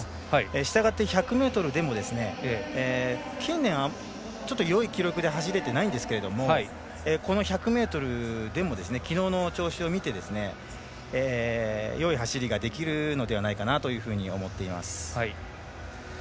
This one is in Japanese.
したがって１００ｍでも近年、ちょっとよい記録で走れていないんですけれどもこの１００ｍでもきのうの調子を見てよい走りができるのではないかなと思っています。